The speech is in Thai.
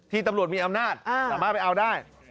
ตำรวจมีอำนาจสามารถไปเอาได้